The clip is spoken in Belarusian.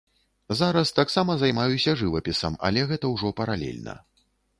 Зараз таксама займаюся жывапісам, але гэта ўжо паралельна.